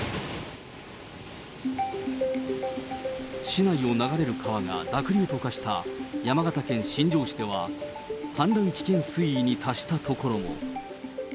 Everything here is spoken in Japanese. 市内を流れる川が濁流と化した山形県新庄市では、氾濫危険水位に達した所も。